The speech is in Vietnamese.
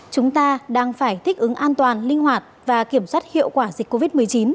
chúng ta đang phải thích ứng an toàn linh hoạt và kiểm soát hiệu quả dịch covid một mươi chín